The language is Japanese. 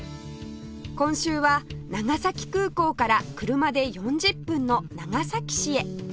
今週は長崎空港から車で４０分の長崎市へ